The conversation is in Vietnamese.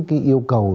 cái yêu cầu